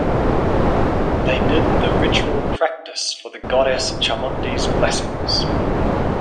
They did the Ritual practice for the Goddess Chamundi's blessings.